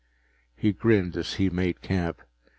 He grinned as he made camp.